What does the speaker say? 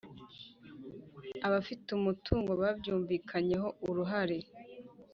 Abafite umutungo babyumvikanyeho uruhare